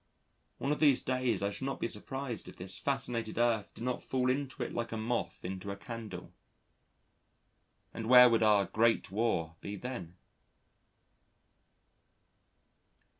One of these days I should not be surprised if this fascinated earth did not fall into it like a moth into a candle. And where would our Great War be then?